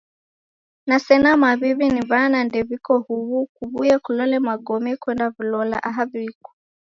Na sena mawiwi niwana ndewiko huwu kuwuye kulole magome kwenda wilola aha wiko.